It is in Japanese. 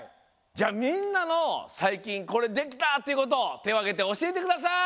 じゃみんなの「最近コレできた」っていうことてをあげておしえてください！